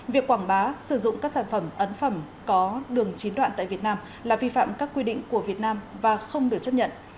việc quảng bá sử dụng các sản phẩm ấn phẩm có đường chín đoạn tại việt nam là vi phạm các quy định của việt nam và không được chấp nhận